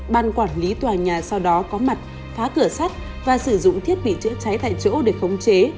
ban quản lý tòa nhà sau đó có mặt phá cửa sắt và sử dụng thiết bị chữa cháy tại chỗ để khống chế